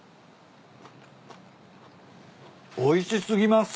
おいし過ぎます。